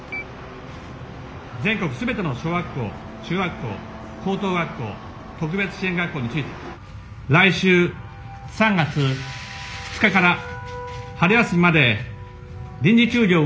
「全国全ての小学校中学校高等学校特別支援学校について来週３月２日から春休みまで臨時休業を行うよう要請します」。